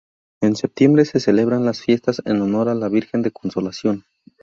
En septiembre se celebran las Fiestas en honor a la Virgen de Consolación.